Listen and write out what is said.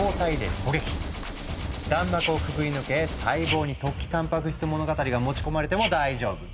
弾幕をくぐり抜け細胞に「突起たんぱく質物語」が持ち込まれても大丈夫。